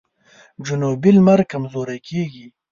جنوبي لمر کمزوری کیږي.